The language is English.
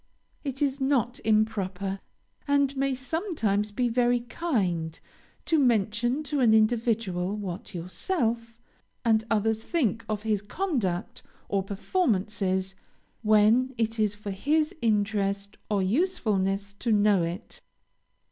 It is not improper, and may sometimes be very kind to mention to an individual what yourself and others think of his conduct or performances, when it is for his interest or usefulness to know it.